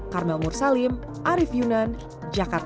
karmel mursalim arief yunan jakarta